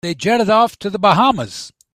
They jetted off to the Bahamas.